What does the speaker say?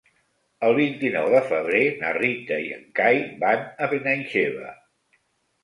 El vint-i-nou de febrer na Rita i en Cai van a Benaixeve.